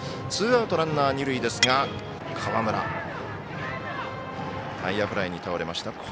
ツーアウトランナー、二塁ですが河村内野フライに倒れました。